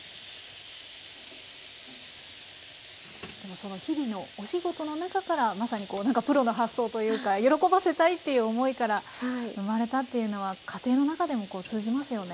その日々のお仕事の中からまさにこうなんかプロの発想というか喜ばせたいっていう思いから生まれたっていうのは家庭の中でもこう通じますよね。